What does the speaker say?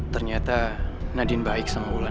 ternyata nadine baik sama ulan